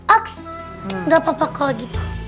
ax gak apa apa kalau gitu